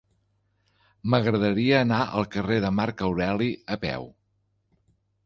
M'agradaria anar al carrer de Marc Aureli a peu.